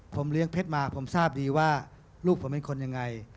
ผมเลี้ยงเพชรมาผมทราบดีว่าลูกผมเป็นคนยังไง